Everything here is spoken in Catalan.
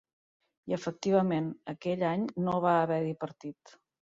I efectivament, aquell any no va haver-hi partit.